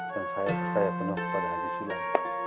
dan saya penuh kepada hadis silat